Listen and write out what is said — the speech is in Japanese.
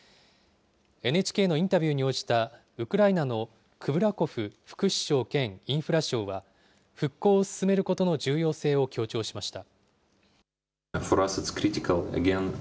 ＮＨＫのインタビューに応じた、ウクライナのクブラコフ副首相兼インフラ相は、復興を進めることの重要性を強調しました。